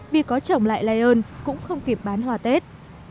vì có trồng lại lion cũng không kịp bán hoa tết